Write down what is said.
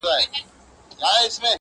هم په غره هم په ځنګله کي کیسه سره سوه!!